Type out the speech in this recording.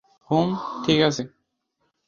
হুম ঠিক আছে।